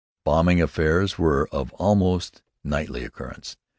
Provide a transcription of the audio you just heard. Bombing affairs were of almost nightly occurrence.